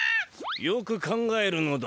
よく考えるのだ。